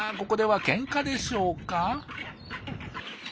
ここではケンカでしょうか？